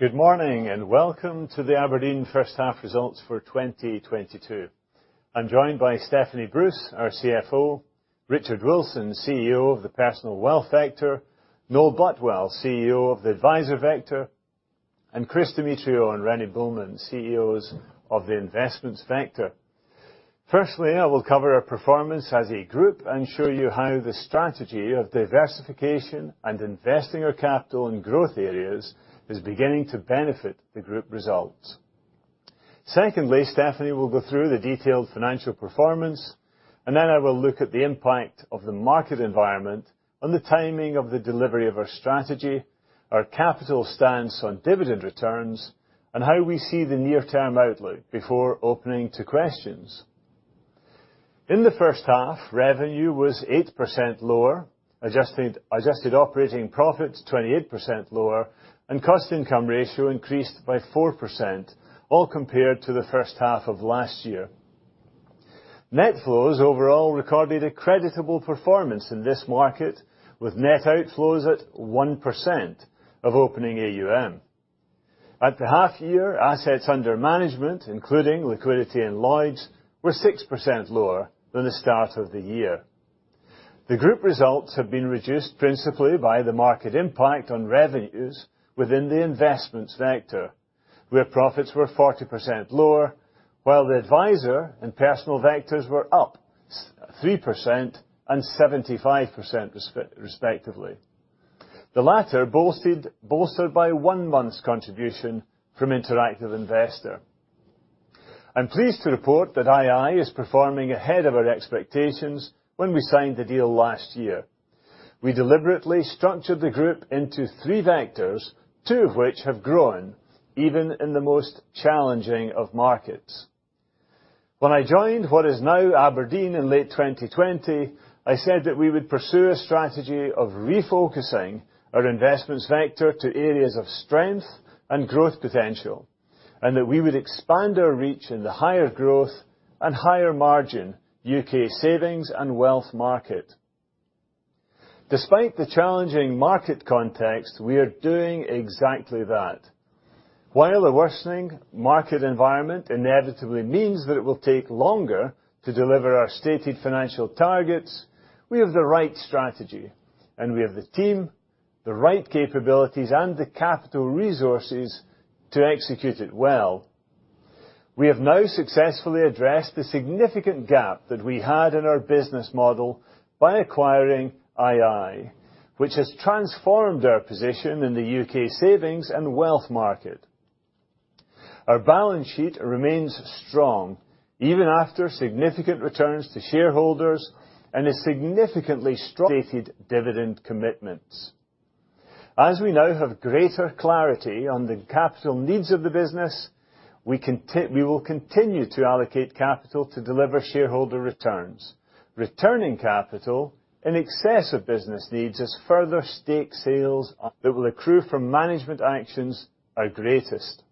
Good morning, and welcome to the Aberdeen first half results for 2022. I'm joined by Stephanie Bruce, our CFO, Richard Wilson, CEO of the personal wealth vector, Noel Butwell, CEO of the advisor vector, and Chris Demetriou and René Buehlmann, CEOs of the investments vector. Firstly, I will cover our performance as a group and show you how the strategy of diversification and investing our capital in growth areas is beginning to benefit the group results. Secondly, Stephanie will go through the detailed financial performance, and then I will look at the impact of the market environment on the timing of the delivery of our strategy, our capital stance on dividend returns, and how we see the near-term outlook before opening to questions. In the first half, revenue was 8% lower, adjusted operating profit 28% lower, and cost-income ratio increased by 4%, all compared to the first half of last year. Net flows overall recorded a creditable performance in this market, with net outflows at 1% of opening AUM. At the half year, assets under management, including liquidity and Lloyds, were 6% lower than the start of the year. The group results have been reduced principally by the market impact on revenues within the investments vector, where profits were 40% lower, while the advisor and personal vectors were up 3% and 75% respectively. The latter bolstered by one month's contribution from interactive investor. I'm pleased to report that ii is performing ahead of our expectations when we signed the deal last year. We deliberately structured the group into three vectors, two of which have grown, even in the most challenging of markets. When I joined what is now Aberdeen in late 2020, I said that we would pursue a strategy of refocusing our investments vector to areas of strength and growth potential, and that we would expand our reach in the higher growth and higher margin U.K. savings and wealth market. Despite the challenging market context, we are doing exactly that. While a worsening market environment inevitably means that it will take longer to deliver our stated financial targets, we have the right strategy and we have the team, the right capabilities, and the capital resources to execute it well. We have now successfully addressed the significant gap that we had in our business model by acquiring II, which has transformed our position in the U.K. savings and wealth market. Our balance sheet remains strong, even after significant returns to shareholders and has significantly strengthened our stated dividend commitments. As we now have greater clarity on the capital needs of the business, we will continue to allocate capital to deliver shareholder returns. Returning capital in excess of business needs as further stake sales that will accrue from management actions are greatest.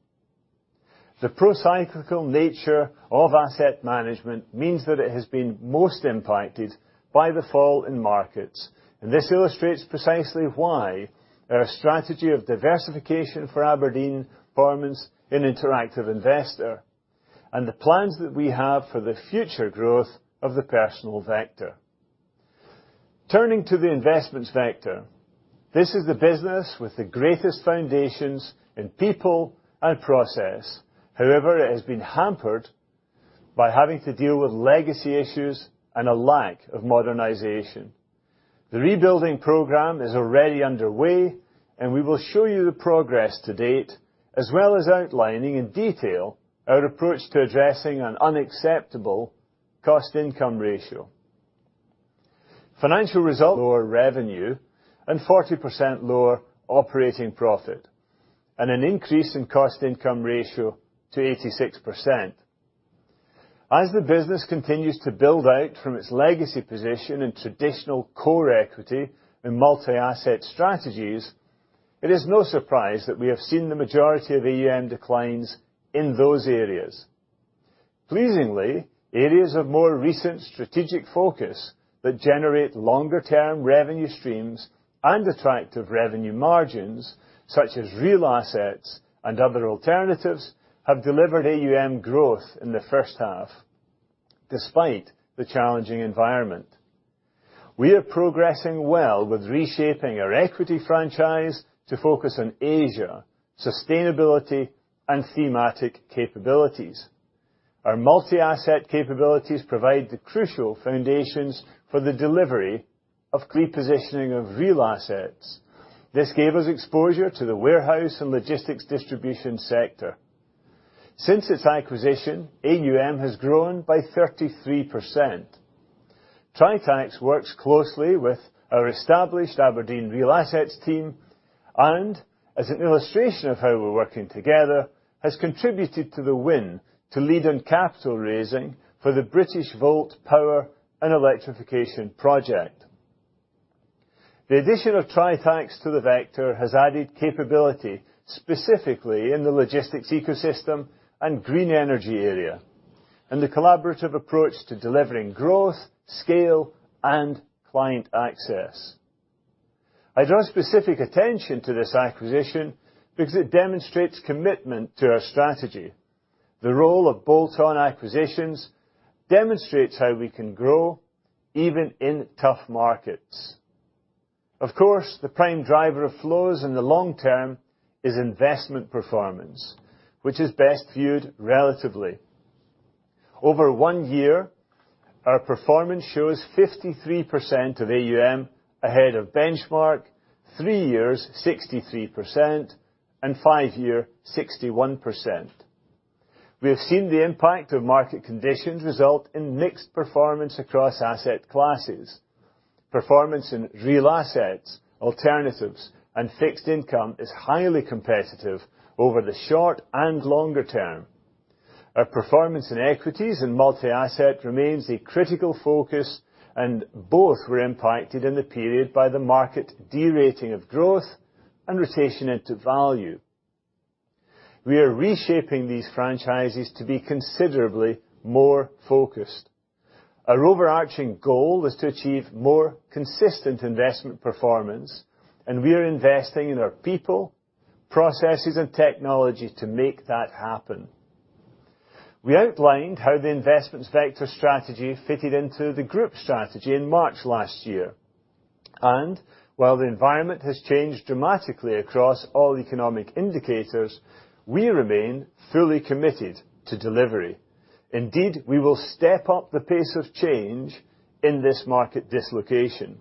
The pro-cyclical nature of asset management means that it has been most impacted by the fall in markets, and this illustrates precisely why our strategy of diversification for Aberdeen performance in interactive investor and the plans that we have for the future growth of the personal sector. Turning to the investments sector, this is the business with the greatest foundations in people and process. However, it has been hampered by having to deal with legacy issues and a lack of modernization. The rebuilding program is already underway, and we will show you the progress to-date as well as outlining in detail our approach to addressing an unacceptable cost-income ratio. Financial results show lower revenue and 40% lower operating profit and an increase in cost-income ratio to 86%. As the business continues to build out from its legacy position in traditional core equity and multi-asset strategies, it is no surprise that we have seen the majority of AUM declines in those areas. Pleasingly, areas of more recent strategic focus that generate longer-term revenue streams and attractive revenue margins, such as real assets and other alternatives, have delivered AUM growth in the first half, despite the challenging environment. We are progressing well with reshaping our equity franchise to focus on Asia, sustainability, and thematic capabilities. Our multi-asset capabilities provide the crucial foundations for the delivery of repositioning of real assets. This gave us exposure to the warehouse and logistics distribution sector. Since its acquisition, AUM has grown by 33%. Tritax works closely with our established Aberdeen Real Assets team and, as an illustration of how we're working together, has contributed to the win to lead in capital raising for the Britishvolt Power and Electrification project. The addition of Tritax to the vector has added capability, specifically in the logistics ecosystem and green energy area, and the collaborative approach to delivering growth, scale, and client access. I draw specific attention to this acquisition because it demonstrates commitment to our strategy. The role of bolt-on acquisitions demonstrates how we can grow even in tough markets. Of course, the prime driver of flows in the long term is investment performance, which is best viewed relatively. Over one year, our performance shows 53% of AUM ahead of benchmark, three years 63%, and five-year 61%. We have seen the impact of market conditions result in mixed performance across asset classes. Performance in real assets, alternatives, and fixed income is highly competitive over the short and longer term. Our performance in equities and multi-asset remains a critical focus and both were impacted in the period by the market derating of growth and rotation into value. We are reshaping these franchises to be considerably more focused. Our overarching goal is to achieve more consistent investment performance, and we are investing in our people, processes, and technology to make that happen. We outlined how the investments vector strategy fitted into the group strategy in March last year. While the environment has changed dramatically across all economic indicators, we remain fully committed to delivery. Indeed, we will step up the pace of change in this market dislocation.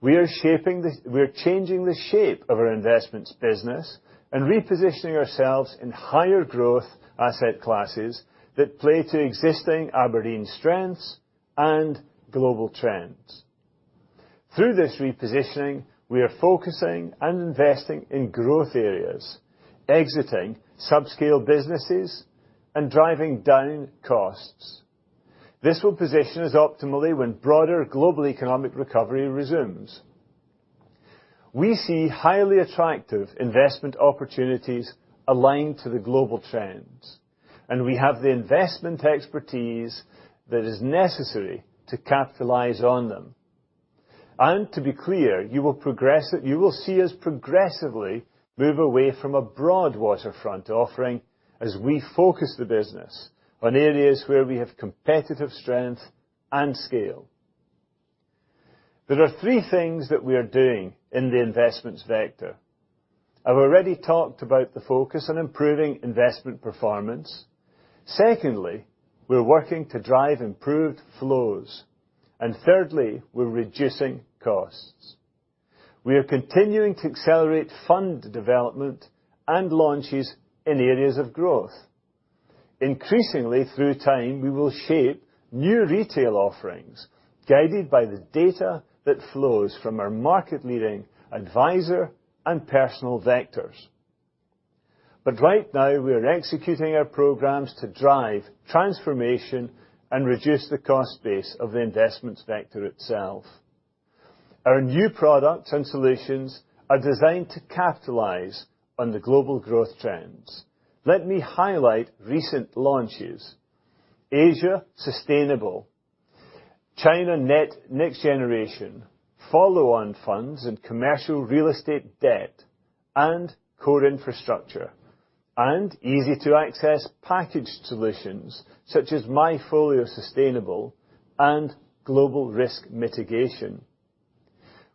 We are changing the shape of our investments business and repositioning ourselves in higher growth asset classes that play to existing Aberdeen strengths and global trends. Through this repositioning, we are focusing and investing in growth areas, exiting subscale businesses and driving down costs. This will position us optimally when broader global economic recovery resumes. We see highly attractive investment opportunities aligned to the global trends, and we have the investment expertise that is necessary to capitalize on them. To be clear, you will see us progressively move away from a broad waterfront offering as we focus the business on areas where we have competitive strength and scale. There are three things that we are doing in the investments vector. I've already talked about the focus on improving investment performance. Secondly, we're working to drive improved flows. Thirdly, we're reducing costs. We are continuing to accelerate fund development and launches in areas of growth. Increasingly, through time, we will shape new retail offerings guided by the data that flows from our market-leading adviser and personal vectors. Right now, we are executing our programs to drive transformation and reduce the cost base of the investments vector itself. Our new products and solutions are designed to capitalize on the global growth trends. Let me highlight recent launches. Asia Sustainable, China Next Generation, follow-on funds in commercial real estate debt and core infrastructure, and easy-to-access package solutions such as MyFolio Sustainable and Global Risk Mitigation.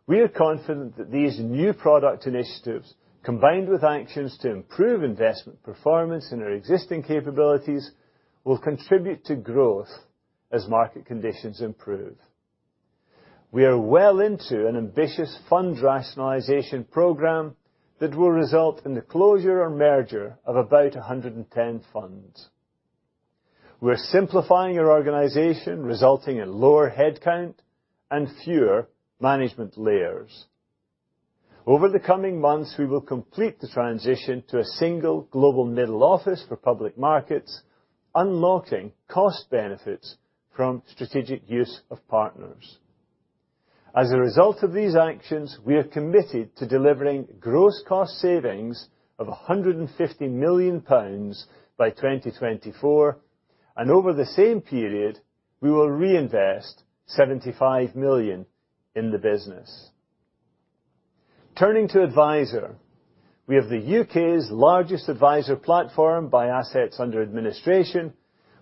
We are confident that these new product initiatives, combined with actions to improve investment performance in our existing capabilities, will contribute to growth as market conditions improve. We are well into an ambitious fund rationalization program that will result in the closure or merger of about 110 funds. We're simplifying our organization, resulting in lower headcount and fewer management layers. Over the coming months, we will complete the transition to a single global middle office for public markets, unlocking cost benefits from strategic use of partners. As a result of these actions, we are committed to delivering gross cost savings of 150 million pounds by 2024, and over the same period, we will reinvest 75 million in the business. Turning to Adviser. We have the U.K.'s largest adviser platform by assets under administration,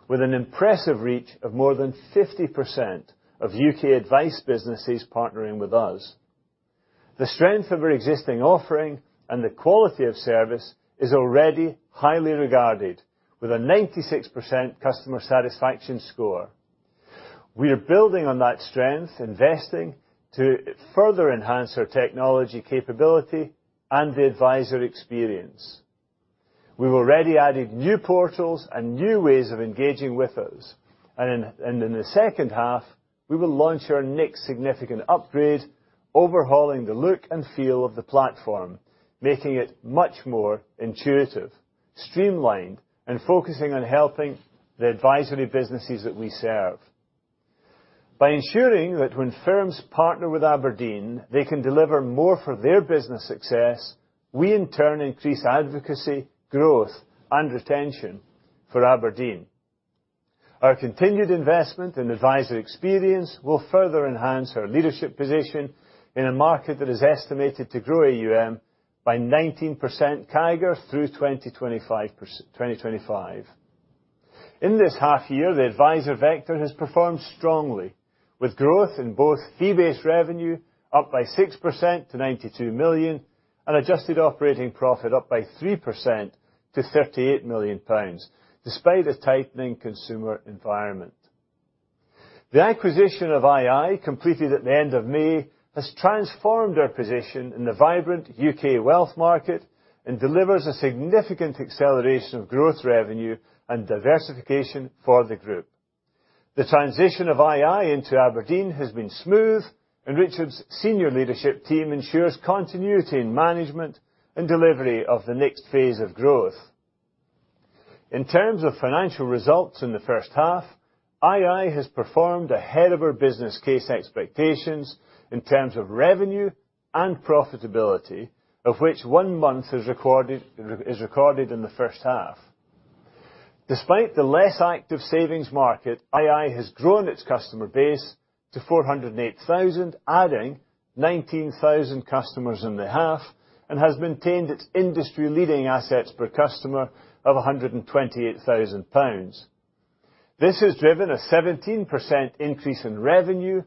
with an impressive reach of more than 50% of U.K. advice businesses partnering with us. The strength of our existing offering and the quality of service is already highly regarded with a 96% customer satisfaction score. We are building on that strength, investing to further enhance our technology capability and the adviser experience. We've already added new portals and new ways of engaging with us, and in the second half, we will launch our next significant upgrade, overhauling the look and feel of the platform, making it much more intuitive, streamlined, and focusing on helping the advisory businesses that we serve. By ensuring that when firms partner with Aberdeen, they can deliver more for their business success, we in turn increase advocacy, growth, and retention for Aberdeen. Our continued investment in advisor experience will further enhance our leadership position in a market that is estimated to grow AUM by 19% CAGR through 2025. In this half year, the advisor vector has performed strongly, with growth in both fee-based revenue up by 6% to 92 million, and adjusted operating profit up by 3% to 38 million pounds, despite a tightening consumer environment. The acquisition of II completed at the end of May has transformed our position in the vibrant U.K. wealth market and delivers a significant acceleration of growth revenue and diversification for the group. The transition of II into Aberdeen has been smooth, and Richard's senior leadership team ensures continuity in management and delivery of the next phase of growth. In terms of financial results in the first half, II has performed ahead of our business case expectations in terms of revenue and profitability, of which one month is recorded in the first half. Despite the less active savings market, II has grown its customer base to 408,000, adding 19,000 customers in the half, and has maintained its industry leading assets per customer of 128,000 pounds. This has driven a 17% increase in revenue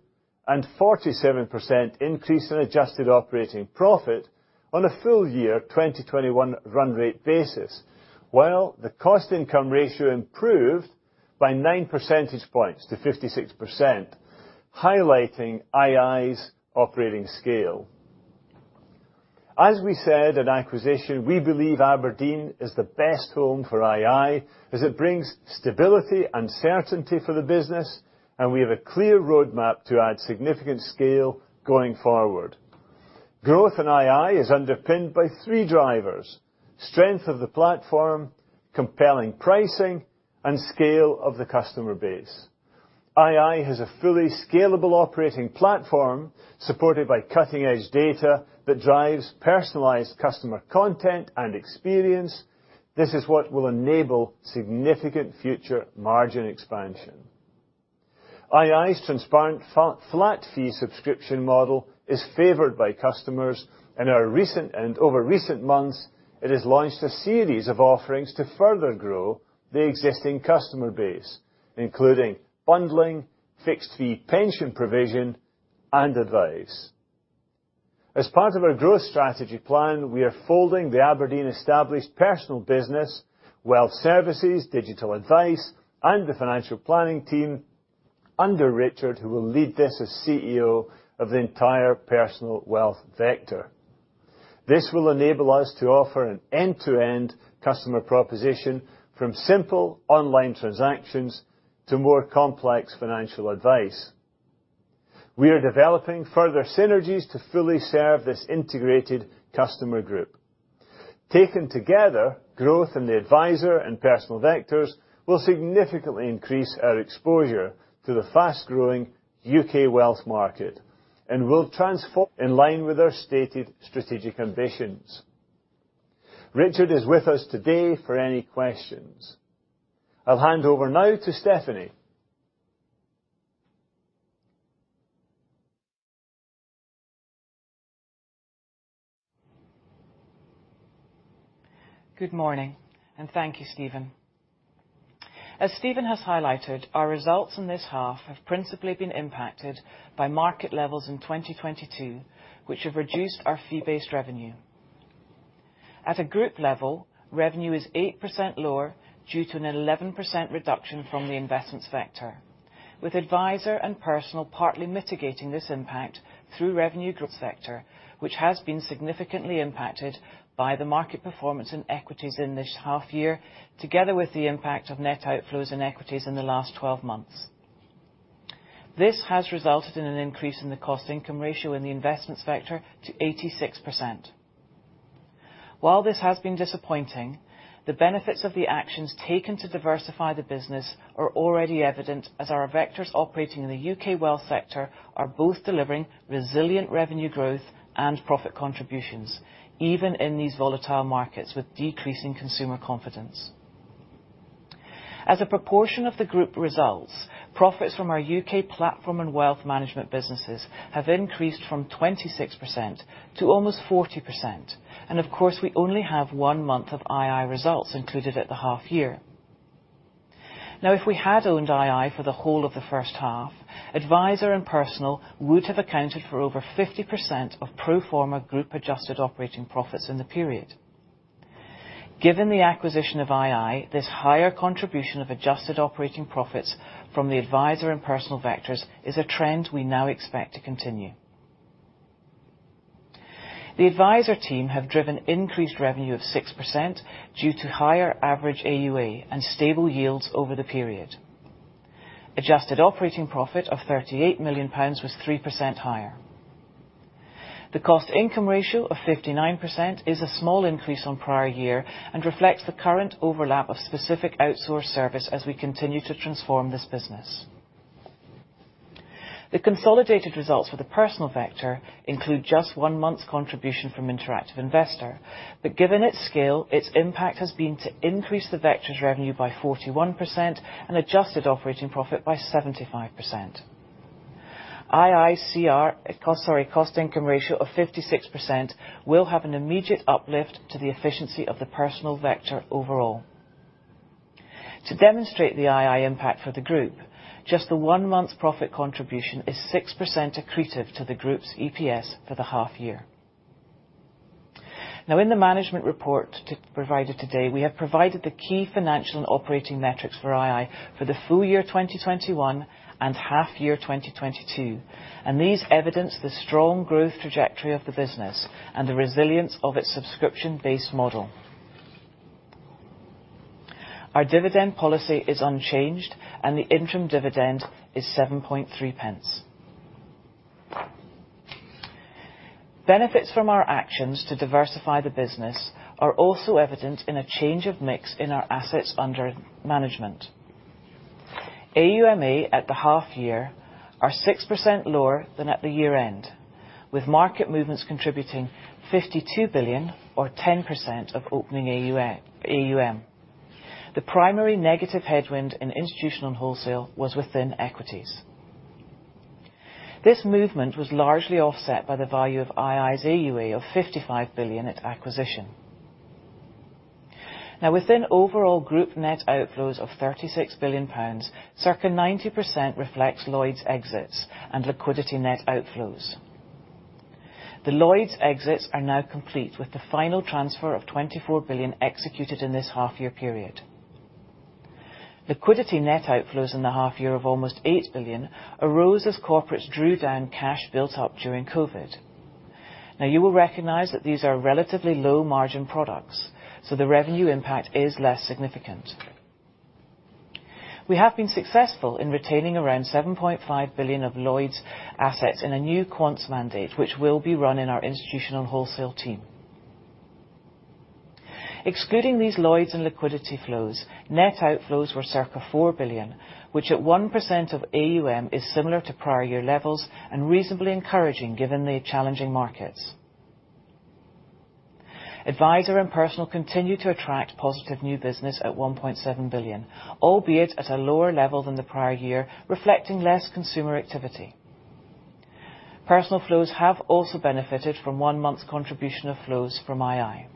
and 47% increase in adjusted operating profit on a full year 2021 run rate basis. While the cost-income ratio improved by nine percentage points to 56%, highlighting II's operating scale. As we said at acquisition, we believe Aberdeen is the best home for II, as it brings stability and certainty for the business, and we have a clear roadmap to add significant scale going forward. Growth in II is underpinned by three drivers. Strength of the platform, compelling pricing, and scale of the customer base. II has a fully scalable operating platform supported by cutting-edge data that drives personalized customer content and experience. This is what will enable significant future margin expansion. II's transparent flat fee subscription model is favored by customers. Over recent months, it has launched a series of offerings to further grow the existing customer base, including bundling, fixed fee pension provision, and advice. As part of our growth strategy plan, we are folding the Aberdeen's established personal business, wealth services, digital advice, and the financial planning team under Richard, who will lead this as CEO of the entire personal wealth sector. This will enable us to offer an end-to-end customer proposition from simple online transactions to more complex financial advice. We are developing further synergies to fully serve this integrated customer group. Taken together, growth in the advisor and personal sectors will significantly increase our exposure to the fast-growing U.K. wealth market and will transform in line with our stated strategic ambitions. Richard is with us today for any questions. I'll hand over now to Stephanie. Good morning, and thank you, Stephen. As Stephen has highlighted, our results in this half have principally been impacted by market levels in 2022, which have reduced our fee-based revenue. At a group level, revenue is 8% lower due to an 11% reduction from the investments vector, with advisor and personal partly mitigating this impact through revenue group sector, which has been significantly impacted by the market performance in equities in this half year, together with the impact of net outflows in equities in the last 12 months. This has resulted in an increase in the cost-income ratio in the investments vector to 86%. While this has been disappointing, the benefits of the actions taken to diversify the business are already evident, as our vectors operating in the U.K. wealth sector are both delivering resilient revenue growth and profit contributions, even in these volatile markets with decreasing consumer confidence. As a proportion of the group results, profits from our U.K. Platform and wealth management businesses have increased from 26% to almost 40%. Of course, we only have one month of II results included at the half year. Now, if we had owned II for the whole of the first half, advisor and personal would have accounted for over 50% of pro forma group adjusted operating profits in the period. Given the acquisition of II, this higher contribution of adjusted operating profits from the advisor and personal vectors is a trend we now expect to continue. The advisor team have driven increased revenue of 6% due to higher average AUA and stable yields over the period. Adjusted operating profit of 38 million pounds was 3% higher. The cost-income ratio of 59% is a small increase on prior year and reflects the current overlap of specific outsourced service as we continue to transform this business. The consolidated results for the personal wealth include just one month's contribution from Interactive Investor, but given its scale, its impact has been to increase the wealth's revenue by 41% and adjusted operating profit by 75%. II cost-income ratio of 56% will have an immediate uplift to the efficiency of the personal wealth overall. To demonstrate the II impact for the group, just the one month profit contribution is 6% accretive to the group's EPS for the half year. Now in the management report provided today, we have provided the key financial and operating metrics for II for the full year 2021 and half year 2022. These evidence the strong growth trajectory of the business and the resilience of its subscription-based model. Our dividend policy is unchanged, and the interim dividend is 0.073. Benefits from our actions to diversify the business are also evident in a change of mix in our assets under management. AUMA at the half year are 6% lower than at the year-end, with market movements contributing 52 billion or 10% of opening AUM. The primary negative headwind in institutional wholesale was within equities. This movement was largely offset by the value of II's AUA of 55 billion at acquisition. Now within overall group net outflows of 36 billion pounds, circa 90% reflects Lloyds exits and liquidity net outflows. The Lloyds exits are now complete with the final transfer of 24 billion executed in this half year period. Liquidity net outflows in the half year of almost 8 billion arose as corporates drew down cash built up during COVID. Now you will recognize that these are relatively low margin products, so the revenue impact is less significant. We have been successful in retaining around 7.5 billion of Lloyds assets in a new quants mandate, which will be run in our institutional wholesale team. Excluding these Lloyds and liquidity flows, net outflows were circa 4 billion, which at 1% of AUM is similar to prior year levels and reasonably encouraging given the challenging markets. Adviser and personal continue to attract positive new business at 1.7 billion, albeit at a lower level than the prior year, reflecting less consumer activity. Personal flows have also benefited from one month's contribution of flows from II.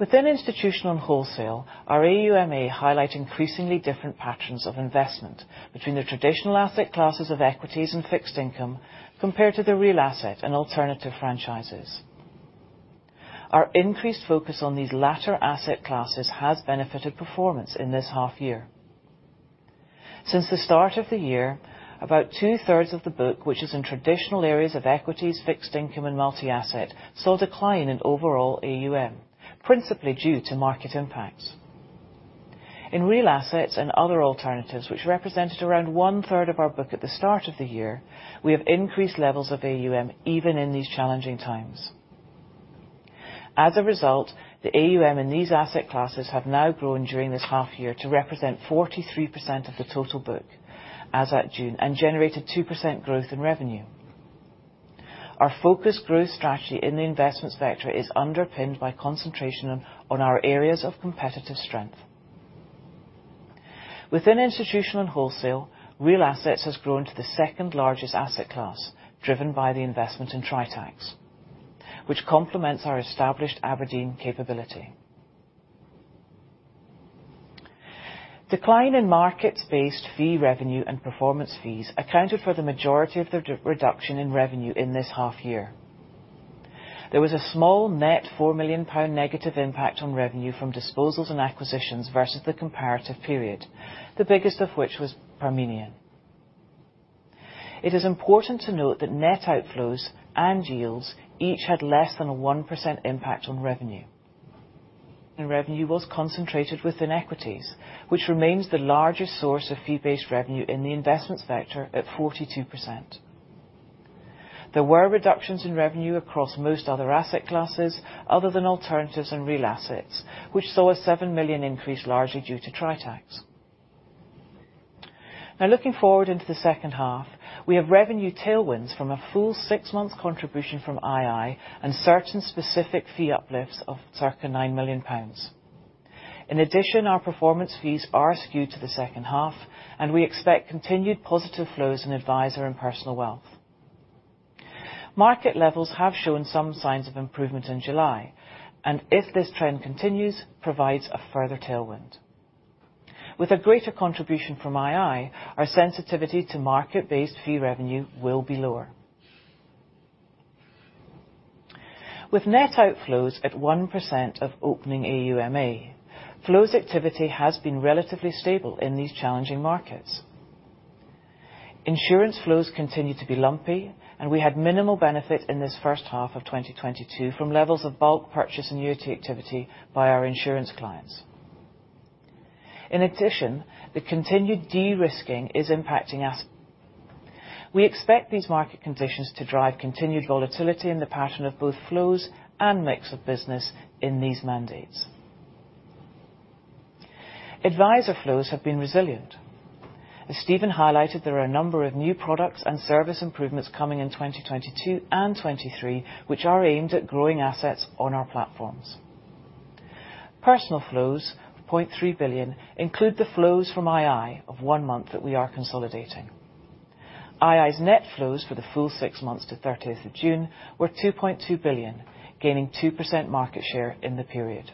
Within institutional and wholesale, our AUMA highlights increasingly different patterns of investment between the traditional asset classes of equities and fixed income compared to the real asset and alternative franchises. Our increased focus on these latter asset classes has benefited performance in this half year. Since the start of the year, about 2/3 of the book, which is in traditional areas of equities, fixed income, and multi-asset, saw a decline in overall AUM, principally due to market impacts. In real assets and other alternatives, which represented around 1/3 of our book at the start of the year, we have increased levels of AUM even in these challenging times. As a result, the AUM in these asset classes have now grown during this half year to represent 43% of the total book as at June and generated 2% growth in revenue. Our focus growth strategy in the investment sector is underpinned by concentration on our areas of competitive strength. Within institutional and wholesale, real assets has grown to the second-largest asset class, driven by the investment in Tritax, which complements our established Aberdeen capability. Decline in markets-based fee revenue and performance fees accounted for the majority of the reduction in revenue in this half year. There was a small net 4 million pound negative impact on revenue from disposals and acquisitions versus the comparative period, the biggest of which was Parmenion. It is important to note that net outflows and yields each had less than a 1% impact on revenue. Revenue was concentrated within equities, which remains the largest source of fee-based revenue in the investment sector at 42%. There were reductions in revenue across most other asset classes other than alternatives and real assets, which saw a 7 million increase largely due to Tritax. Now looking forward into the second half, we have revenue tailwinds from a full six-month contribution from II and certain specific fee uplifts of circa 9 million pounds. In addition, our performance fees are skewed to the second half, and we expect continued positive flows in adviser and personal wealth. Market levels have shown some signs of improvement in July, and if this trend continues, provides a further tailwind. With a greater contribution from II, our sensitivity to market-based fee revenue will be lower. With net outflows at 1% of opening AUMA, flows activity has been relatively stable in these challenging markets. Insurance flows continue to be lumpy, and we had minimal benefit in this first half of 2022 from levels of bulk purchase annuity activity by our insurance clients. In addition, the continued de-risking is impacting us. We expect these market conditions to drive continued volatility in the pattern of both flows and mix of business in these mandates. Advisor flows have been resilient. As Stephen highlighted, there are a number of new products and service improvements coming in 2022 and 2023, which are aimed at growing assets on our platforms. Personal flows of 0.3 billion include the flows from II of one month that we are consolidating. II's net flows for the full six months to 13th of June were 2.2 billion, gaining 2% market share in the period.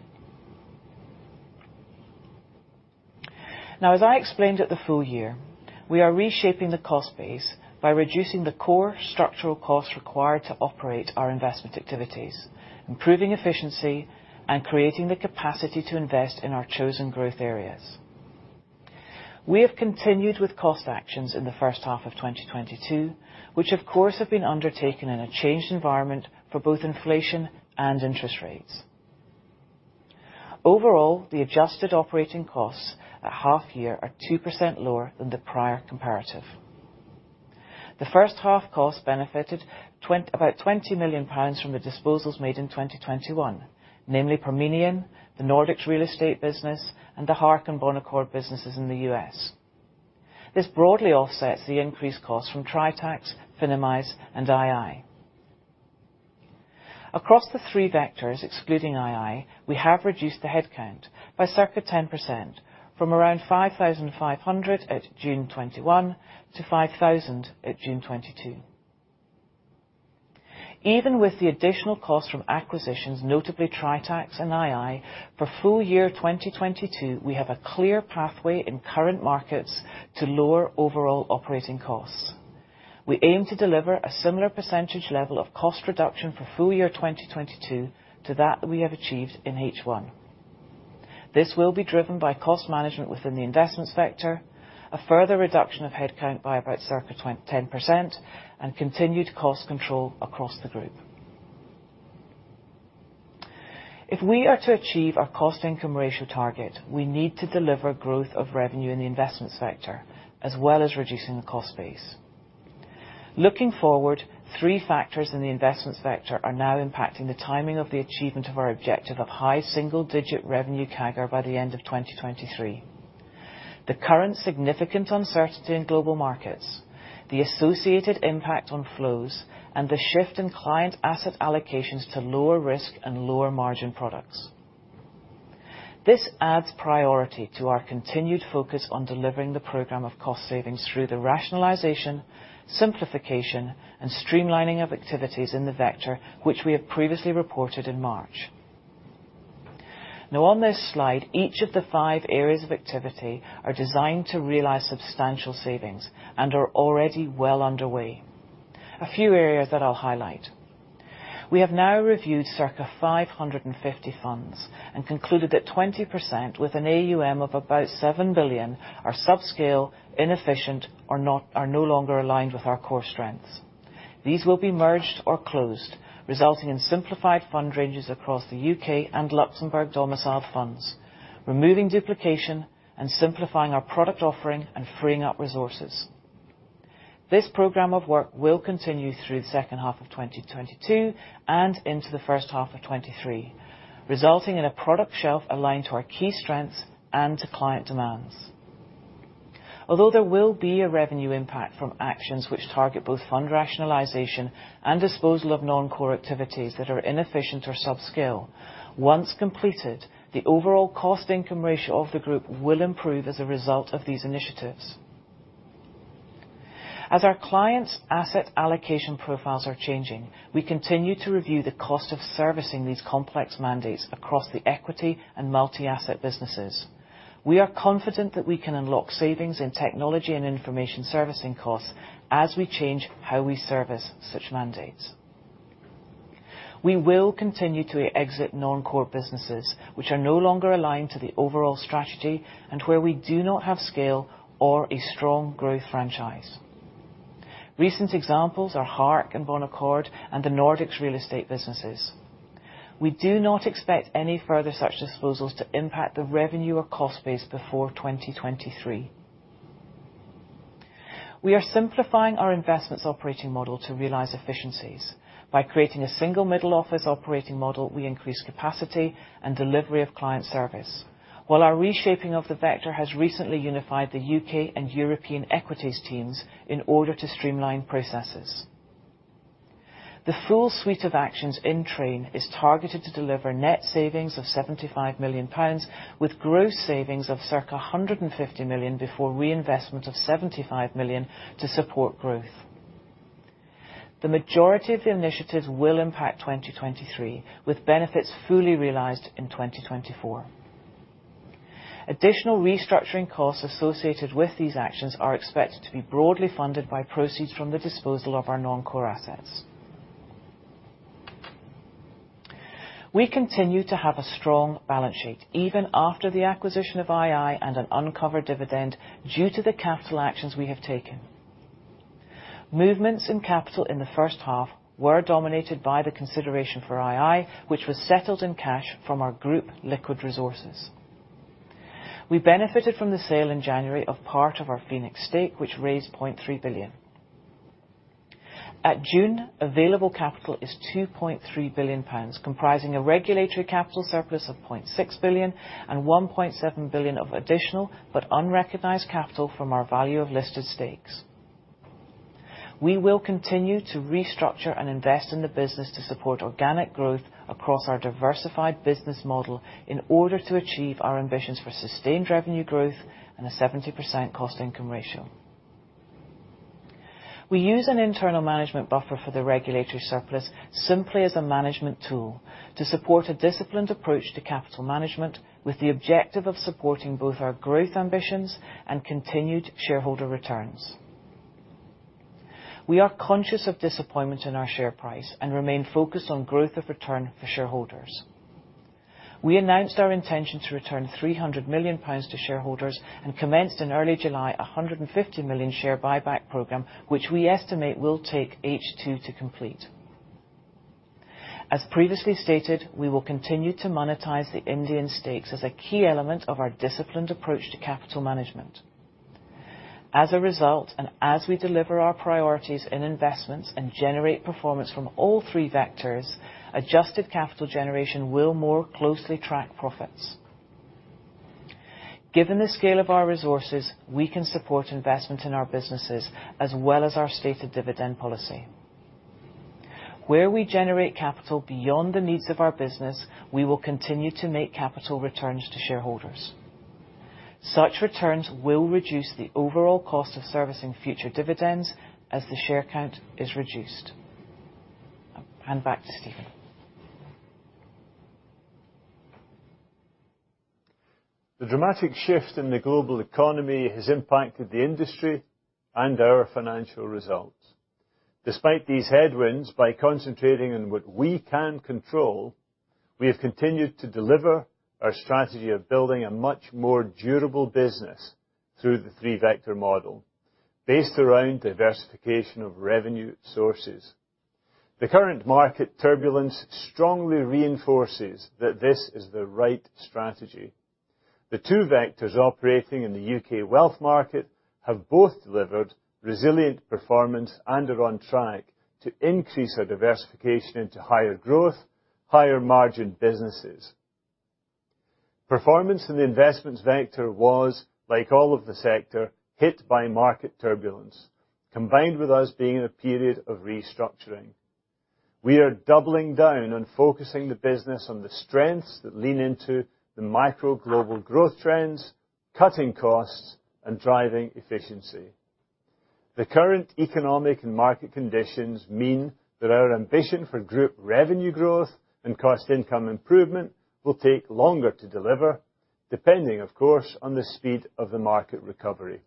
Now, as I explained at the full year, we are reshaping the cost base by reducing the core structural costs required to operate our investment activities, improving efficiency, and creating the capacity to invest in our chosen growth areas. We have continued with cost actions in the first half of 2022, which of course have been undertaken in a changed environment for both inflation and interest rates. Overall, the adjusted operating costs at half year are 2% lower than the prior comparative. The first half costs benefited about 20 million pounds from the disposals made in 2021, namely Parmenion, the Nordics real estate business, and the Hark Capital and Bonaccord businesses in the U.S. This broadly offsets the increased costs from Tritax, Finimize, and II. Across the three vectors, excluding II, we have reduced the headcount by circa 10%, from around 5,500 at June 2021 to 5,000 at June 2022. Even with the additional costs from acquisitions, notably Tritax and II, for full year 2022, we have a clear pathway in current markets to lower overall operating costs. We aim to deliver a similar percentage level of cost reduction for full year 2022 to that we have achieved in H1. This will be driven by cost management within the investments vector, a further reduction of headcount by about circa 10%, and continued cost control across the group. If we are to achieve our cost-income ratio target, we need to deliver growth of revenue in the investment sector, as well as reducing the cost base. Looking forward, three factors in the investment sector are now impacting the timing of the achievement of our objective of high single-digit revenue CAGR by the end of 2023. The current significant uncertainty in global markets, the associated impact on flows, and the shift in client asset allocations to lower risk and lower margin products. This adds priority to our continued focus on delivering the program of cost savings through the rationalization, simplification, and streamlining of activities in the sector, which we have previously reported in March. Now on this slide, each of the five areas of activity are designed to realize substantial savings and are already well underway. A few areas that I'll highlight. We have now reviewed circa 550 funds and concluded that 20% with an AUM of about 7 billion are subscale, inefficient, or not are no longer aligned with our core strengths. These will be merged or closed, resulting in simplified fund ranges across the U.K. and Luxembourg domicile funds, removing duplication and simplifying our product offering and freeing up resources. This program of work will continue through the second half of 2022 and into the first half of 2023, resulting in a product shelf aligned to our key strengths and to client demands. Although there will be a revenue impact from actions which target both fund rationalization and disposal of non-core activities that are inefficient or subscale, once completed, the overall cost-income ratio of the group will improve as a result of these initiatives. As our clients' asset allocation profiles are changing, we continue to review the cost of servicing these complex mandates across the equity and multi-asset businesses. We are confident that we can unlock savings in technology and information servicing costs as we change how we service such mandates. We will continue to exit non-core businesses which are no longer aligned to the overall strategy and where we do not have scale or a strong growth franchise. Recent examples are Hark and Bonaccord and the Nordics real estate businesses. We do not expect any further such disposals to impact the revenue or cost base before 2023. We are simplifying our investments operating model to realize efficiencies. By creating a single middle office operating model, we increase capacity and delivery of client service. While our reshaping of the sector has recently unified the U.K. and European equities teams in order to streamline processes. The full suite of actions in train is targeted to deliver net savings of 75 million pounds, with gross savings of circa 150 million before reinvestment of 75 million to support growth. The majority of the initiatives will impact 2023, with benefits fully realized in 2024. Additional restructuring costs associated with these actions are expected to be broadly funded by proceeds from the disposal of our non-core assets. We continue to have a strong balance sheet even after the acquisition of ii and an uncovered dividend due to the capital actions we have taken. Movements in capital in the first half were dominated by the consideration for II, which was settled in cash from our group liquid resources. We benefited from the sale in January of part of our Phoenix stake, which raised 0.3 billion. At June, available capital is 2.3 billion pounds, comprising a regulatory capital surplus of 0.6 billion and 1.7 billion of additional but unrecognized capital from our value of listed stakes. We will continue to restructure and invest in the business to support organic growth across our diversified business model in order to achieve our ambitions for sustained revenue growth and a 70% cost-income ratio. We use an internal management buffer for the regulatory surplus simply as a management tool to support a disciplined approach to capital management, with the objective of supporting both our growth ambitions and continued shareholder returns. We are conscious of disappointment in our share price and remain focused on growth of return for shareholders. We announced our intention to return 300 million pounds to shareholders and commenced in early July a 150 million share buyback program, which we estimate will take H2 to complete. As previously stated, we will continue to monetize the Indian stakes as a key element of our disciplined approach to capital management. As a result, and as we deliver our priorities in investments and generate performance from all three vectors, adjusted capital generation will more closely track profits. Given the scale of our resources, we can support investment in our businesses as well as our stated dividend policy. Where we generate capital beyond the needs of our business, we will continue to make capital returns to shareholders. Such returns will reduce the overall cost of servicing future dividends as the share count is reduced. I'll hand back to Stephen. The dramatic shift in the global economy has impacted the industry and our financial results. Despite these headwinds, by concentrating on what we can control, we have continued to deliver our strategy of building a much more durable business through the three-vector model based around diversification of revenue sources. The current market turbulence strongly reinforces that this is the right strategy. The two vectors operating in the U.K. wealth market have both delivered resilient performance and are on track to increase our diversification into higher growth, higher margin businesses. Performance in the investments vector was, like all of the sector, hit by market turbulence, combined with us being in a period of restructuring. We are doubling down on focusing the business on the strengths that lean into the micro global growth trends, cutting costs, and driving efficiency. The current economic and market conditions mean that our ambition for group revenue growth and cost income improvement will take longer to deliver, depending, of course, on the speed of the market recovery.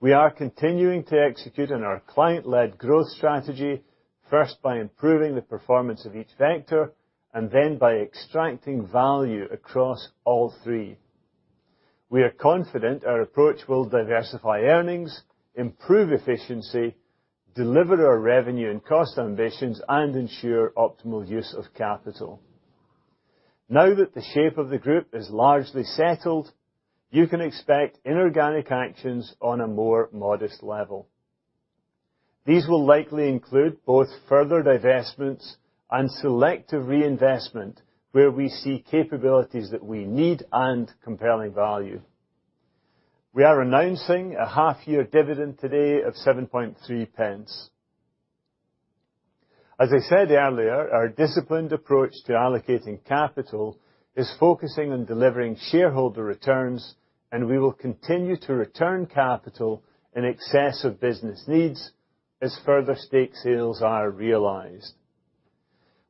We are continuing to execute on our client-led growth strategy, first by improving the performance of each vector, and then by extracting value across all three. We are confident our approach will diversify earnings, improve efficiency, deliver our revenue and cost ambitions, and ensure optimal use of capital. Now that the shape of the group is largely settled, you can expect inorganic actions on a more modest level. These will likely include both further divestments and selective reinvestment where we see capabilities that we need and compelling value. We are announcing a half-year dividend today of 0.073. As I said earlier, our disciplined approach to allocating capital is focusing on delivering shareholder returns, and we will continue to return capital in excess of business needs as further stake sales are realized.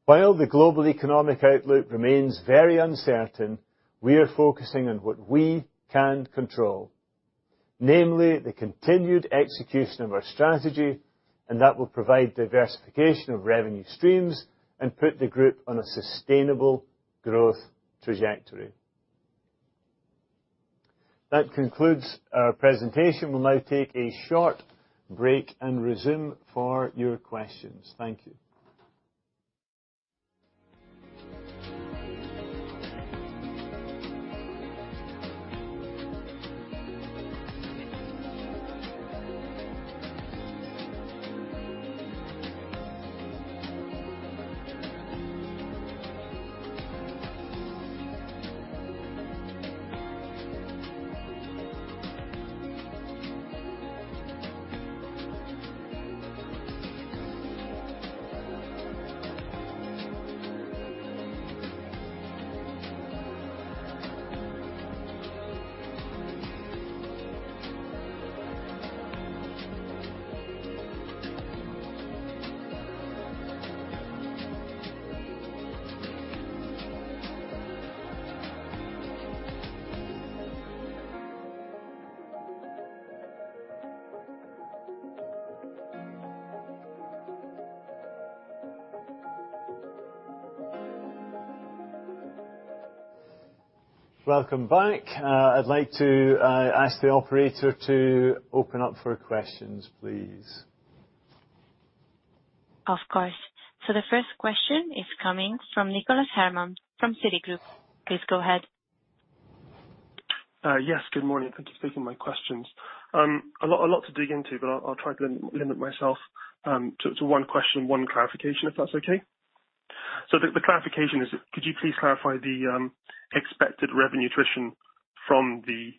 While the global economic outlook remains very uncertain, we are focusing on what we can control. Namely, the continued execution of our strategy, and that will provide diversification of revenue streams and put the group on a sustainable growth trajectory. That concludes our presentation. We'll now take a short break and resume for your questions. Thank you. Welcome back. I'd like to ask the operator to open up for questions, please. Of course. The first question is coming from Nicholas Herman from Citigroup. Please go ahead. Yes. Good morning. Thank you for taking my questions. A lot to dig into, but I'll try to limit myself to one question, one clarification, if that's okay. The clarification is, could you please clarify the expected revenue attrition from the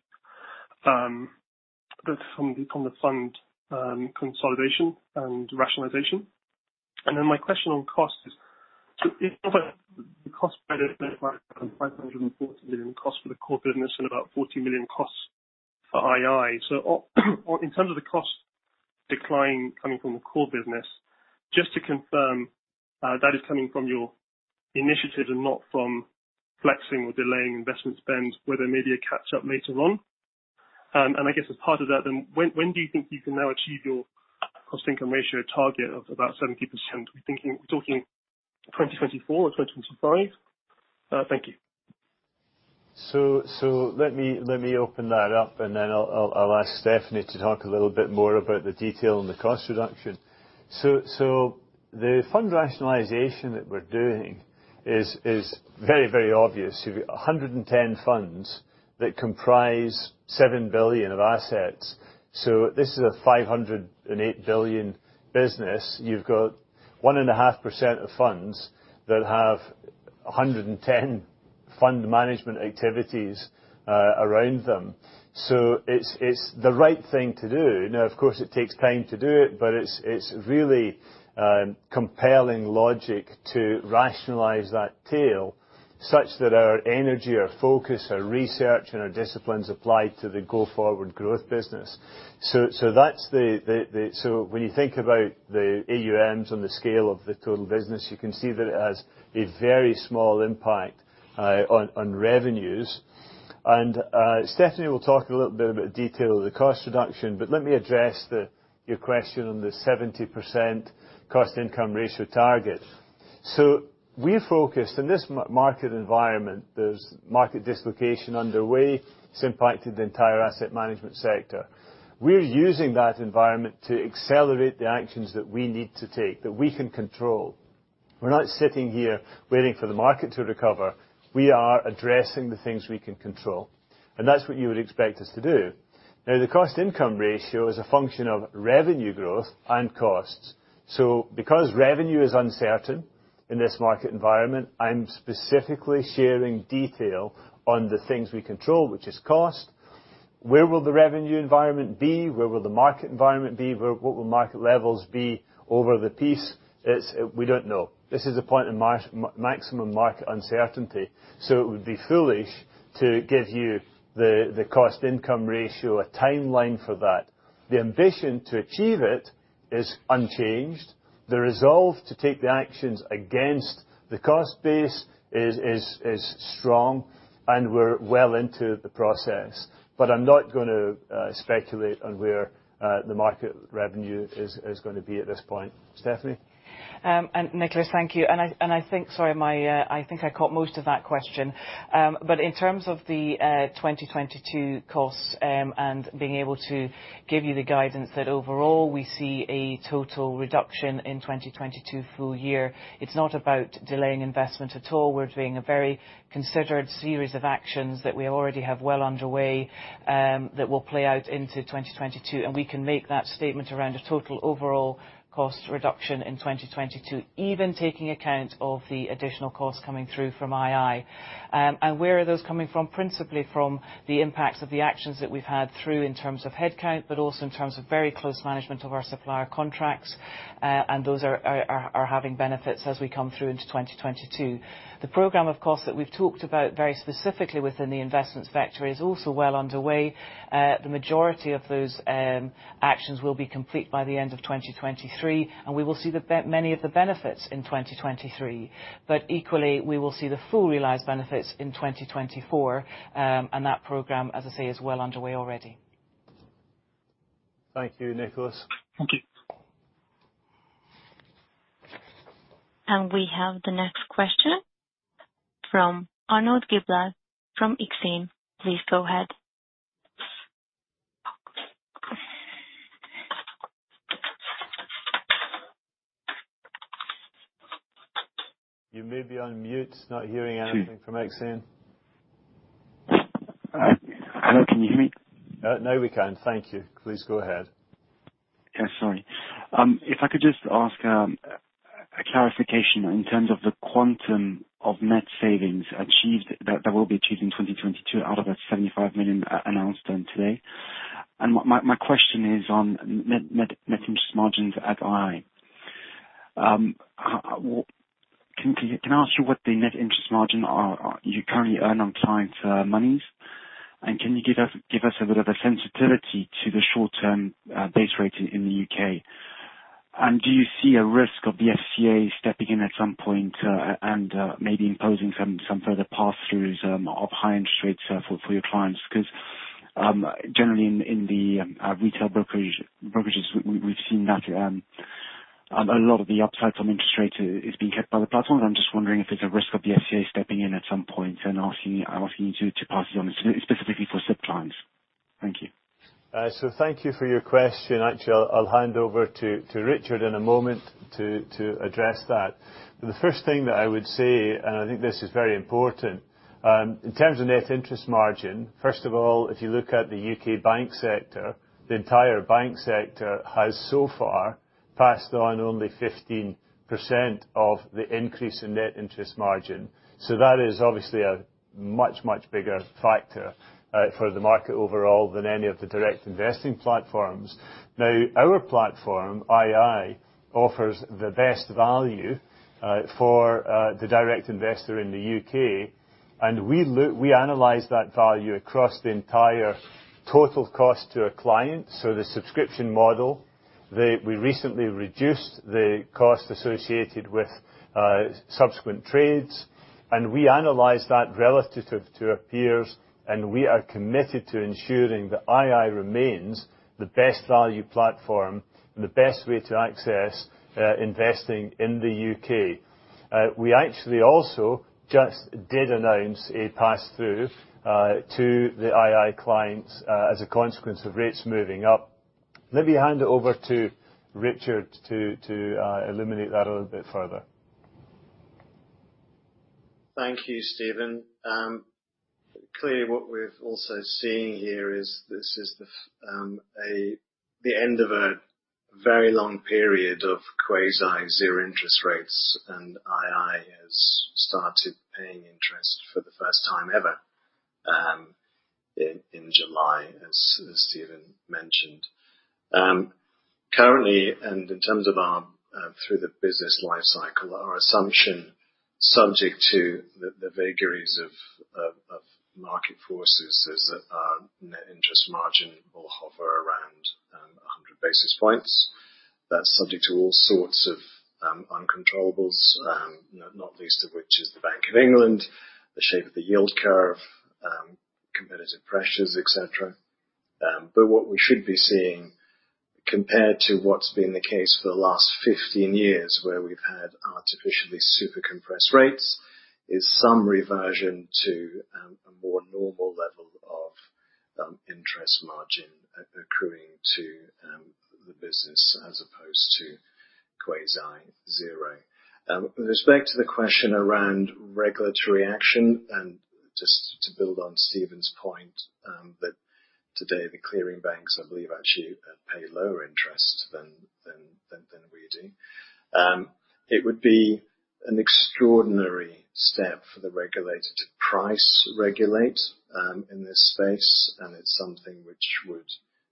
fund consolidation and rationalization? Then my question on cost is, in terms of the 540 million cost for the core business and about 40 million costs for II. In terms of the cost decline coming from the core business, just to confirm, that is coming from your initiatives and not from flexing or delaying investment spend, where there may be a catch-up later on? I guess a part of that, when do you think you can now achieve your cost-income ratio target of about 70%? We talking 2024 or 2025? Thank you. Let me open that up, and then I'll ask Stephanie to talk a little bit more about the detail on the cost reduction. The fund rationalization that we're doing is very obvious. You have 110 funds that comprise 7 billion of assets, so this is a 508 billion business. You have got 1.5% of funds that have 110 fund management activities around them. It's the right thing to do. Now of course it takes time to do it, but it's really compelling logic to rationalize that tail such that our energy, our focus, our research, and our disciplines apply to the go-forward growth business. When you think about the AUMs on the scale of the total business, you can see that it has a very small impact on revenues. Stephanie will talk a little bit about detail of the cost reduction, but let me address your question on the 70% cost-income ratio target. We focused in this market environment, there's market dislocation underway. It's impacted the entire asset management sector. We're using that environment to accelerate the actions that we need to take, that we can control. We're not sitting here waiting for the market to recover. We are addressing the things we can control, and that's what you would expect us to do. Now, the cost-income ratio is a function of revenue growth and costs. So because revenue is uncertain in this market environment, I'm specifically sharing detail on the things we control, which is cost. Where will the revenue environment be? Where will the market environment be? What will market levels be over the period? We don't know. This is a point in maximum market uncertainty, so it would be foolish to give you the cost-income ratio, a timeline for that. The ambition to achieve it is unchanged. The resolve to take the actions against the cost base is strong, and we're well into the process. I'm not gonna speculate on where the market revenue is gonna be at this point. Stephanie? Nicholas, thank you. Sorry, I think I caught most of that question. In terms of the 2022 costs, and being able to give you the guidance that overall we see a total reduction in 2022 full year, it's not about delaying investment at all. We're doing a very considered series of actions that we already have well underway, that will play out into 2022. We can make that statement around a total overall cost reduction in 2022, even taking account of the additional costs coming through from II. Where are those coming from? Principally from the impacts of the actions that we've had through in terms of headcount, but also in terms of very close management of our supplier contracts, and those are having benefits as we come through into 2022. The program, of course, that we've talked about very specifically within the investments sector is also well underway. The majority of those actions will be complete by the end of 2023, and we will see many of the benefits in 2023. Equally, we will see the full realized benefits in 2024, and that program, as I say, is well underway already. Thank you, Nicholas. Thank you. We have the next question from Arnaud Giblat from Exane. Please go ahead. You may be on mute. Not hearing anything from Exane. Hello, can you hear me? Now we can. Thank you. Please go ahead. Yeah, sorry. If I could just ask a clarification in terms of the quantum of net savings achieved, that will be achieved in 2022 out of that 75 million announced then today. My question is on net interest margins at II. Can I ask you what the net interest margin are you currently earn on clients' monies? Can you give us a bit of a sensitivity to the short-term base rate in the U.K.? Do you see a risk of the FCA stepping in at some point and maybe imposing some further pass-throughs of high interest rates for your clients? Generally in the retail brokerages, we've seen that a lot of the upside from interest rates is being kept by the platform. I'm just wondering if there's a risk of the FCA stepping in at some point and asking you to pass it on specifically for sub clients. Thank you. Thank you for your question. Actually, I'll hand over to Richard in a moment to address that. The first thing that I would say, and I think this is very important, in terms of net interest margin, first of all, if you look at the U.K. bank sector, the entire bank sector has so far passed on only 15% of the increase in net interest margin. That is obviously a much bigger factor for the market overall than any of the direct investing platforms. Now, our platform, II, offers the best value for the direct investor in the U.K., and we analyze that value across the entire total cost to a client. The subscription model. We recently reduced the cost associated with subsequent trades, and we analyze that relative to our peers, and we are committed to ensuring that II remains the best value platform and the best way to access investing in the U.K. We actually also just did announce a pass-through to the II clients as a consequence of rates moving up. Let me hand it over to Richard to illuminate that a little bit further. Thank you, Stephen. Clearly, what we're also seeing here is this is the end of a very long period of quasi zero interest rates, and II has started paying interest for the first time ever, in July, as Stephen mentioned. Currently, in terms of our through the business life cycle, our assumption, subject to the vagaries of market forces, is that our net interest margin will hover around 100 basis points. That's subject to all sorts of uncontrollables, not least of which is the Bank of England, the shape of the yield curve, competitive pressures, et cetera. What we should be seeing, compared to what's been the case for the last 15 years, where we've had artificially super compressed rates, is some reversion to a more normal level of interest margin accruing to the business as opposed to quasi zero. With respect to the question around regulatory action and just to build on Stephen's point, that today the clearing banks, I believe, actually pay lower interest than we do. It would be an extraordinary step for the regulator to price regulate in this space, and it's something which would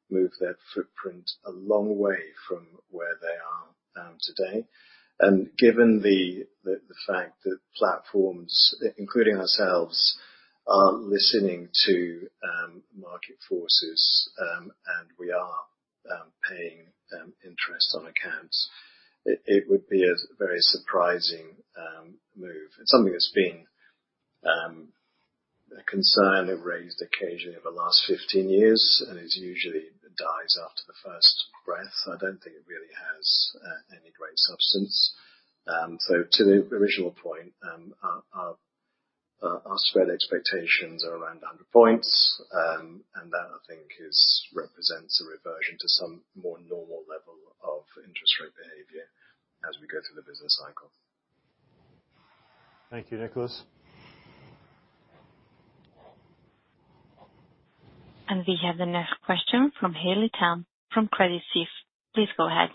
move their footprint a long way from where they are today. Given the fact that platforms, including ourselves, are listening to market forces, and we are paying interest on accounts, it would be a very surprising move. It's something that's been a concern they've raised occasionally over the last 15 years and it usually dies after the first breath. I don't think it really has any great substance. To the original point, our spread expectations are around 100 points. That I think represents a reversion to some more normal level of interest rate behavior as we go through the business cycle. Thank you, Nicholas. We have the next question from Haley Tam from Credit Suisse. Please go ahead.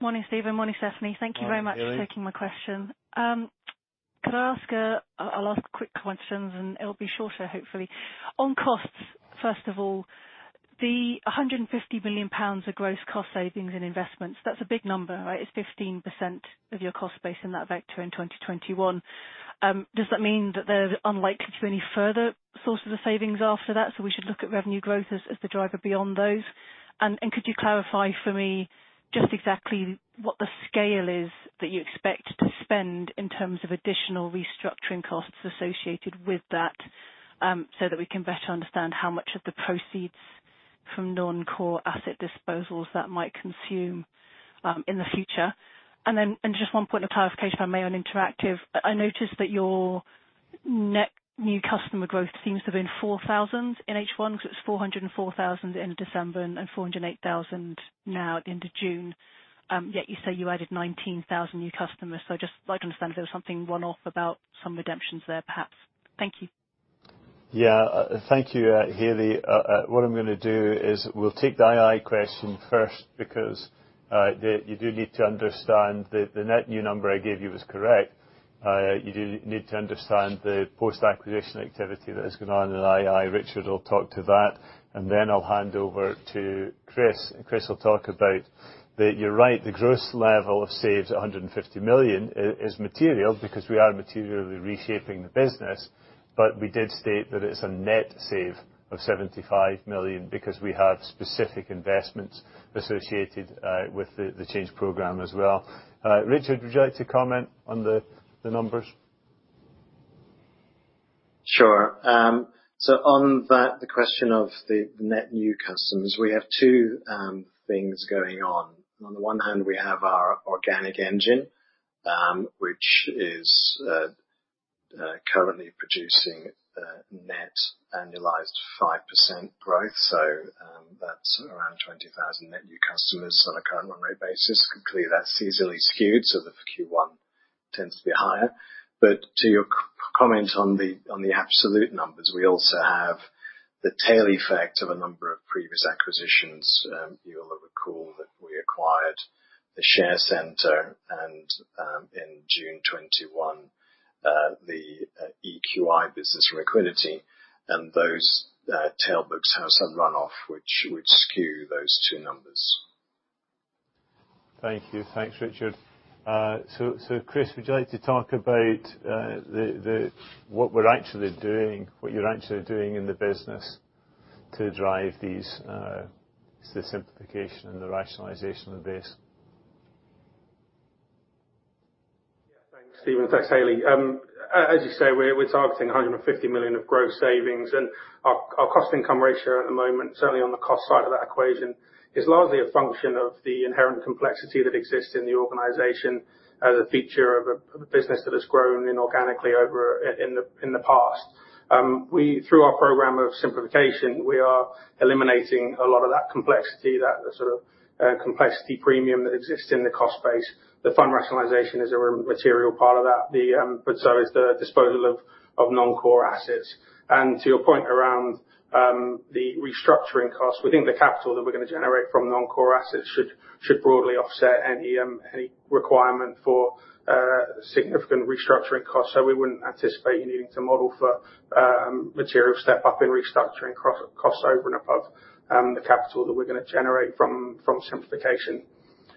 Morning, Stephen. Morning, Stephanie. Morning, Haley. Thank you very much for taking my question. Could I ask quick questions, and it'll be shorter, hopefully. On costs, first of all, the 150 million pounds of gross cost savings and investments, that's a big number, right? It's 15% of your cost base in that vector in 2021. Does that mean that there's unlikely to be any further sources of savings after that, so we should look at revenue growth as the driver beyond those? Could you clarify for me just exactly what the scale is that you expect to spend in terms of additional restructuring costs associated with that, so that we can better understand how much of the proceeds from non-core asset disposals that might consume in the future. Just one point of clarification, if I may, on interactive. I noticed that your net new customer growth seems to have been 4,000 in H1, 'cause it's 404,000 in December and 408,000 now at the end of June. Yet you say you added 19,000 new customers. I just like to understand if there was something one-off about some redemptions there, perhaps. Thank you. Yeah. Thank you, Hayley. What I'm gonna do is we'll take the II question first because you do need to understand the net new number I gave you was correct. You do need to understand the post-acquisition activity that has gone on in II. Richard will talk to that. Then I'll hand over to Chris, and Chris will talk about that you're right, the gross level of savings, 150 million, is material because we are materially reshaping the business. But we did state that it's a net saving of 75 million because we have specific investments associated with the change program as well. Richard, would you like to comment on the numbers? Sure. On the question of the net new customers, we have two things going on. On the one hand, we have our organic engine, which is currently producing a net annualized 5% growth. That's around 20,000 net new customers on a current run rate basis. Clearly, that's seasonally skewed, so the Q1 tends to be higher. To your comment on the absolute numbers, we also have the tail effect of a number of previous acquisitions. You'll recall that we acquired The Share Centre and, in June 2021, the EQi business from Equiniti. Those tailbooks have some runoff which skew those two numbers. Thank you. Thanks, Richard. Chris, would you like to talk about what we're actually doing, what you're actually doing in the business to drive these simplification and the rationalization of this? Yeah. Thanks, Stephen. Thanks, Hayley. As you say, we're targeting 150 million of gross savings. Our cost-income ratio at the moment, certainly on the cost side of that equation, is largely a function of the inherent complexity that exists in the organization as a feature of a business that has grown inorganically over the past. Through our program of simplification, we are eliminating a lot of that complexity, that sort of complexity premium that exists in the cost base. The fund rationalization is a material part of that, so is the disposal of non-core assets. To your point around the restructuring costs, we think the capital that we're gonna generate from non-core assets should broadly offset any requirement for significant restructuring costs. We wouldn't anticipate needing to model for material step-up in restructuring costs over and above the capital that we're gonna generate from simplification.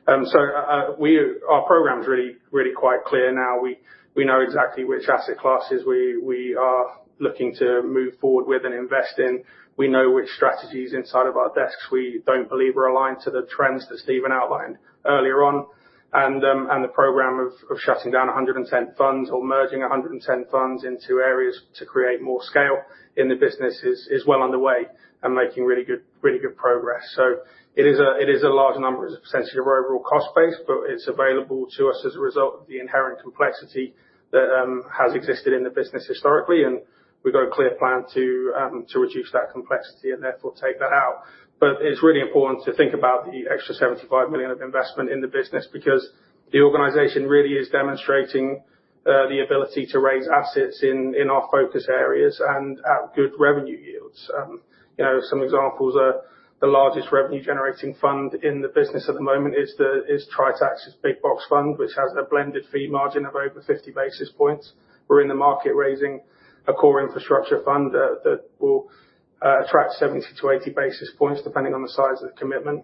Our program is really quite clear now. We know exactly which asset classes we are looking to move forward with and invest in. We know which strategies inside of our desks we don't believe are aligned to the trends that Steven outlined earlier on. The program of shutting down 110 funds or merging 110 funds into areas to create more scale in the business is well underway and making really good progress. It is a large number. It's a percentage of our overall cost base, but it's available to us as a result of the inherent complexity that has existed in the business historically, and we've got a clear plan to reduce that complexity and therefore take that out. It's really important to think about the extra 75 million of investment in the business because the organization really is demonstrating the ability to raise assets in our focus areas and at good revenue yields. You know, some examples are the largest revenue generating fund in the business at the moment is the Tritax Big Box fund, which has a blended fee margin of over 50 basis points. We're in the market raising a core infrastructure fund that will attract 70-80 basis points, depending on the size of commitment.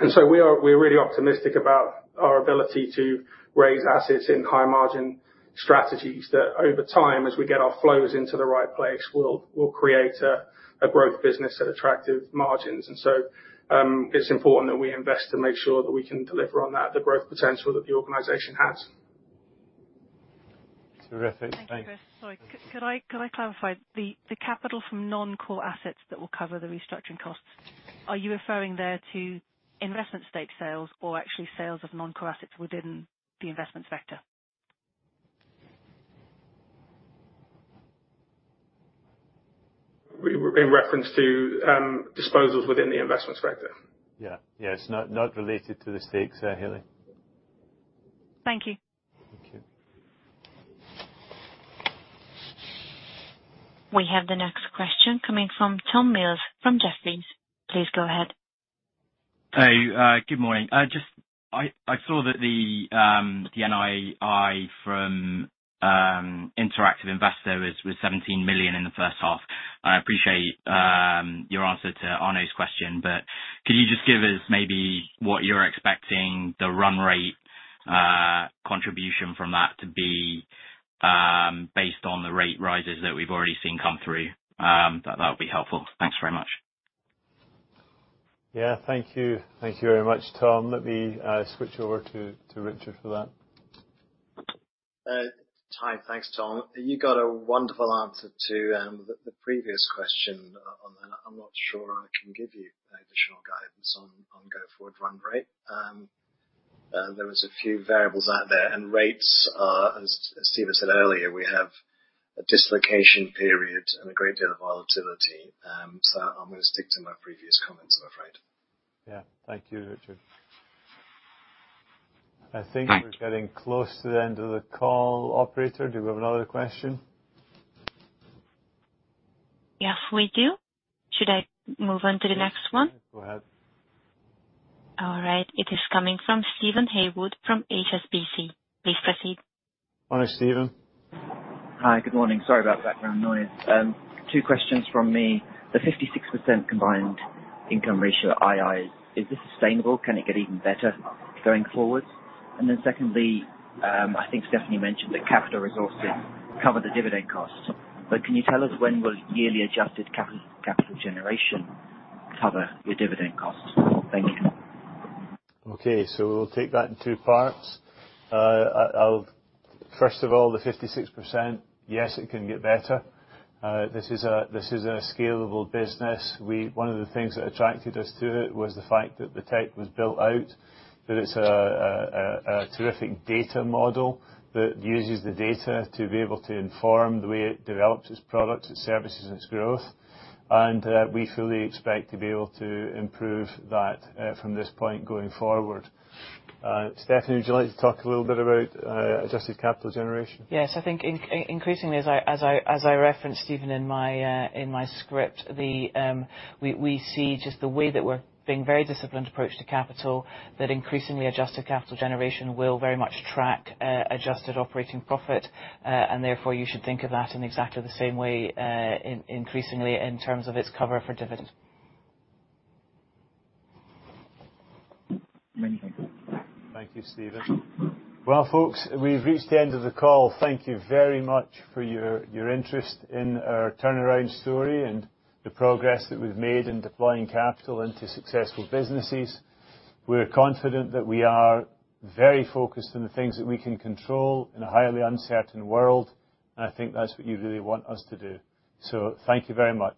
We're really optimistic about our ability to raise assets in high margin strategies that over time, as we get our flows into the right place, will create a growth business at attractive margins. It's important that we invest to make sure that we can deliver on that, the growth potential that the organization has. Terrific. Thanks. Thank you, Chris. Sorry. Could I clarify? The capital from non-core assets that will cover the restructuring costs, are you referring there to investment stake sales or actually sales of non-core assets within the investments sector? We were in reference to disposals within the investments sector. Yeah. Yeah. It's not related to the stakes, Haley. Thank you. Thank you. We have the next question coming from Tom Mills from Jefferies. Please go ahead. Hey, good morning. Just I saw that the NII from interactive investor was 17 million in the first half. I appreciate your answer to Arno's question, but could you just give us maybe what you're expecting the run rate contribution from that to be based on the rate rises that we've already seen come through? That would be helpful. Thanks very much. Yeah. Thank you. Thank you very much, Tom. Let me switch over to Richard for that. Hi. Thanks, Tom. You got a wonderful answer to the previous question on that. I'm not sure I can give you any additional guidance on go forward run rate. There was a few variables out there, and rates are, as Steven said earlier, we have a dislocation period and a great deal of volatility. I'm gonna stick to my previous comments, I'm afraid. Yeah. Thank you, Richard. Thanks. I think we're getting close to the end of the call. Operator, do you have another question? Yes, we do. Should I move on to the next one? Yes. Go ahead. All right. It is coming from Steven Haywood from HSBC. Please proceed. Hi, Steven. Hi, good morning. Sorry about the background noise. Two questions from me. The 56% cost-income ratio at II, is this sustainable? Can it get even better going forward? Secondly, I think Stephanie mentioned that capital resources cover the dividend costs. Can you tell us when will yearly adjusted capital generation cover your dividend costs? Thank you. Okay. We'll take that in two parts. I'll first of all, the 56%, yes, it can get better. This is a scalable business. One of the things that attracted us to it was the fact that the tech was built out, that it's a terrific data model that uses the data to be able to inform the way it develops its products, its services, its growth. We fully expect to be able to improve that from this point going forward. Stephanie, would you like to talk a little bit about adjusted capital generation? Yes. I think increasingly, as I referenced, Steven, in my script, we see just the way that we're taking a very disciplined approach to capital, that increasingly adjusted capital generation will very much track adjusted operating profit. Therefore, you should think of that in exactly the same way, increasingly in terms of its cover for dividends. Thank you. Thank you, Steven. Well, folks, we've reached the end of the call. Thank you very much for your interest in our turnaround story and the progress that we've made in deploying capital into successful businesses. We're confident that we are very focused on the things that we can control in a highly uncertain world, and I think that's what you really want us to do. Thank you very much.